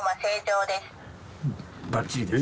バッチリです。